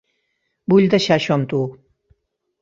Vull deixar això amb tu.